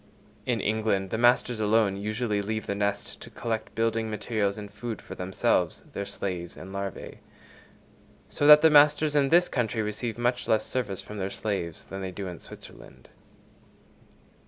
In England the masters alone usually leave the nest to collect building materials and food for themselves, their slaves and larvæ. So that the masters in this country receive much less service from their slaves than they do in Switzerland.